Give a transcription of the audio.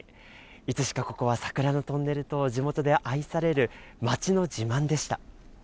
いつしかここは桜のトンネルと地元で愛される町の自慢でした。